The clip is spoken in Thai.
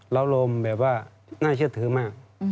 รสลมแบบว่าน่าเชื่อเทือมาก